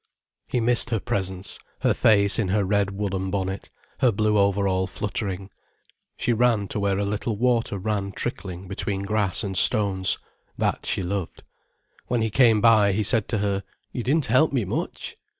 He missed her presence, her face in her red woollen bonnet, her blue overall fluttering. She ran to where a little water ran trickling between grass and stones. That she loved. When he came by he said to her: "You didn't help me much."